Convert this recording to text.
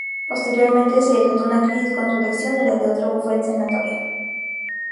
Posteriormente se desató una crisis con su elección y la de otro bufete senatorial.